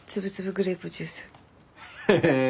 へえ！